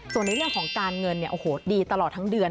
ส่วนในเรื่องของการเงินดีตลอดทั้งเดือน